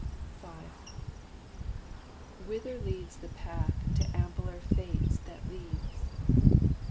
V Whither leads the path To ampler fates that leads?